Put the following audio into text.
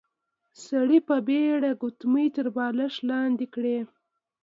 سړي په بيړه ګوتمۍ تر بالښت لاندې کړې.